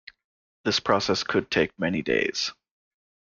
This process could take many days.